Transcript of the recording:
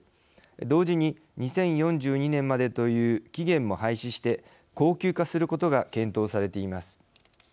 同時に２０４２年までという期限も廃止して恒久化することが検討されています。